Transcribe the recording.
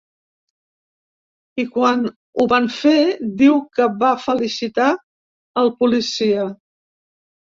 I quan ho van fer, diu que va felicitar el policia.